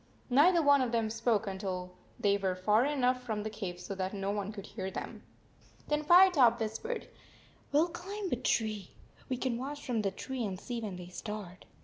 Neither one of them spoke until they were far enough from the cave so that no one could hear them. Then Firetop whis pered: " We 11 climb a tree. We can watch from the tree and see when they start.